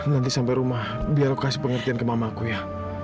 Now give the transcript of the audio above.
nanti sampai rumah biar aku kasih pengertian ke mamaku ya